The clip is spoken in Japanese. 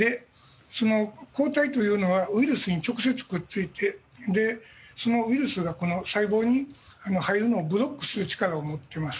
抗体というのはウイルスに直接くっついてそのウイルスが細胞に入るのをブロックする力を持っています。